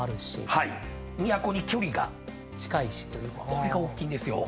これがおっきいんですよ。